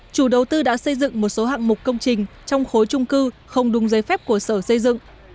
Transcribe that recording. chủ đầu tư đã xây dựng một số hạng mục công trình trong khối trung cư không đúng giấy phép của sở xây dựng